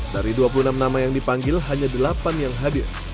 dari dua puluh enam nama yang dipanggil hanya delapan yang hadir